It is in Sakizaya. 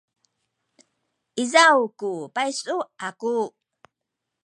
izaw ku paysu aku.